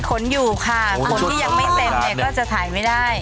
ขนอยู่ค่ะขนที่ยังไม่เต็มเนี่ยก็จะถ่ายไม่ได้